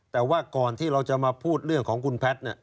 แต่ว่าก่อนที่เราจะมาพูดเรื่องของคุณแพทย์